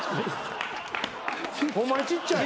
ホンマにちっちゃい。